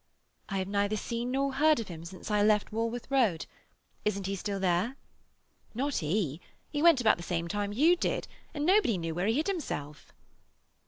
"I have neither seen nor heard of him since I left Walworth Road. Isn't he still there?" "Not he. He went about the same time you did, and nobody knew where he hid himself."